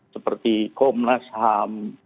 seperti komnas ham